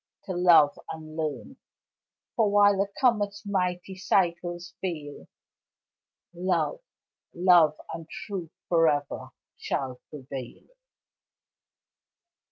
to love and learn, For while a comet's mighty cycles fail, Love, love and truth forever shall prevail.